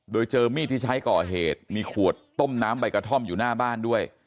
โดยเจอมีดที่ใช้ก่อเหตุมีขวดต้มน้ำใบกระท่อมอยู่หน้าบ้านด้วย